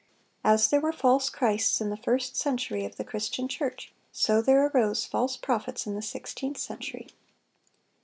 As there were false christs in the first century of the Christian church, so there arose false prophets in the sixteenth century.